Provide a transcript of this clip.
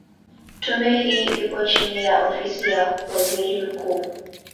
Tume hii ipo chini ya Ofisi ya Waziri Mkuu.